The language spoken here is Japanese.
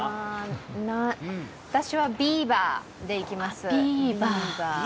私はビーバーでいきます。